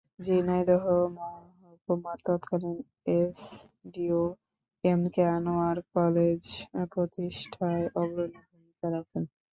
ঝিনাইদহ মহকুমার তৎকালীন SDO M K Anwar college প্রতিষ্ঠায় অগ্রণী ভূমিকা রাখেন।